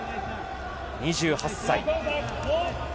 ２８歳。